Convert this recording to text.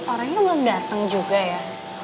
orangnya belum datang juga ya